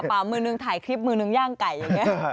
มือนึงถ่ายคลิปมือหนึ่งย่างไก่อย่างนี้